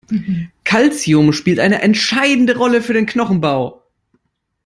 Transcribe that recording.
Calcium spielt eine entscheidende Rolle für den Knochenbau.